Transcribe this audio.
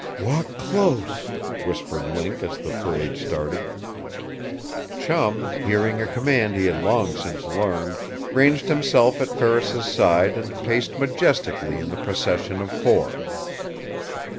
"Walk close!" whispered Link as the parade started. Chum, hearing a command he had long since learned, ranged himself at Ferris's side and paced majestically in the procession of four.